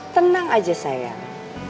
tenang aja sayang